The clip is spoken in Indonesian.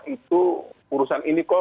itu urusan ini kok